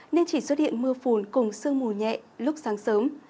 nên chỉ xuất hiện mưa phùn cùng sương mù nhẹ lúc sáng sớm